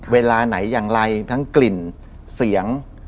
เวลาไหนอย่างไรทั้งกลิ่นเสียง